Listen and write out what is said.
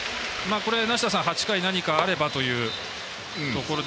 梨田さん、８回に何かあればというところで。